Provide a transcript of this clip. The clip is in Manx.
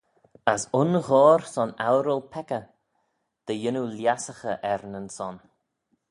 As un ghoayr son oural-peccah, dy yannoo lhiasaghey er nyn son.